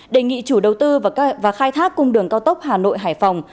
đề nghị chủ đầu tư và khai thác cung đường cao tốc hà nội hải phòng